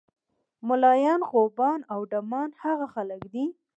ملایان، غوبانه او ډمان هغه خلک دي.